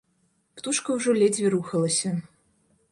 Птушка ўжо ледзьве рухалася.